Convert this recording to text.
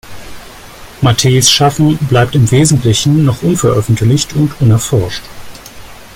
Matteis Schaffen bleibt im Wesentlichen noch unveröffentlicht und unerforscht.